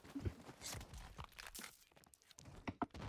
Supongo que sí que estaba en venta, porque, de hecho, la compraron.